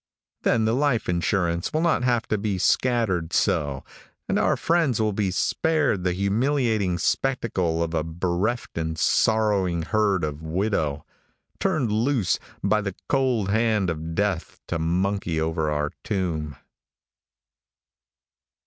Then the life insurance will not have to be scattered so, and our friends will be spared the humiliating spectacle of a bereft and sorrowing herd of widow, turned loose by the cold hand of death to monkey o'er our tomb.